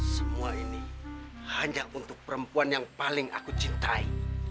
semua ini hanya untuk perempuan yang paling aku cintai